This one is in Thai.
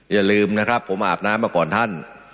อย่าลืมนะครับผมอาบน้ำมาก่อนท่าน